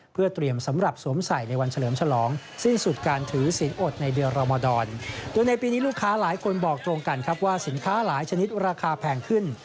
เพื่อเตรียมสำหรับสวมใส่ในวันเฉลิมฉลองสิ้นสุดการถือศีลอดในเดือนรมดรโดยในปีนี้ลูกค้าหลายคนบอกตรงกันครับว่าสินค้าหลายชนิดราคาแพงขึ้น